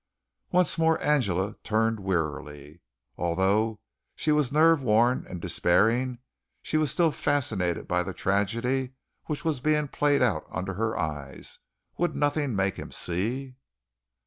Once more Angela turned wearily. Although she was nerve worn and despairing, she was still fascinated by the tragedy which was being played out under her eyes. Would nothing make him see?